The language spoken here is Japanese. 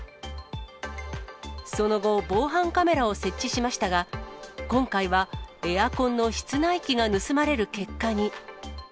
その後、防犯カメラを設置しましたが、今回はエアコンの室内機が盗まれる結果に。